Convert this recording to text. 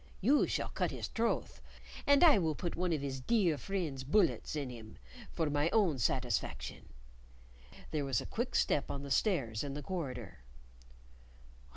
You shall cut his troth, and I will put one of 'is dear friend's bullets in 'im for my own satisfaction." There was a quick step on the stairs in the corridor.